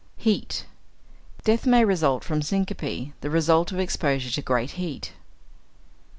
=Heat.= Death may result from syncope, the result of exposure to great heat.